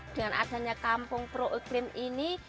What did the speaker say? dengan adanya kampung pro iklim ini